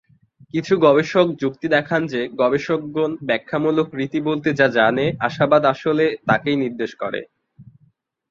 কিছু গবেষক যুক্তি দেখান যে গবেষকগণ ব্যাখ্যামূলক রীতি বলতে যা জানে আশাবাদ আসলে তাকেই নির্দেশ করে।